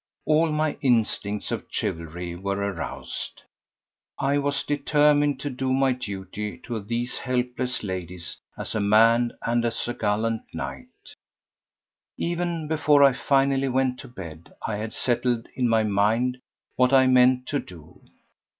All my instincts of chivalry were aroused. I was determined to do my duty to these helpless ladies as a man and as a gallant knight. Even before I finally went to bed I had settled in my mind what I meant to do.